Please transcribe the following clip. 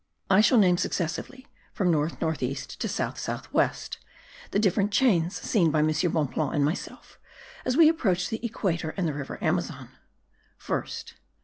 I shall name successively, from north north east to south south west, the different chains seen by M. Bonpland and myself as we approached the equator and the river Amazon. First.